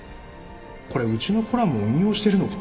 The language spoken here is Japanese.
これうちのコラムを引用してるのか